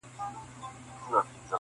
• کلي دوه برخې ښکاري اوس ډېر..